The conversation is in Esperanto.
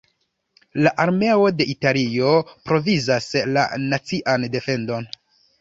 La armeo de Italio provizas la nacian defendon.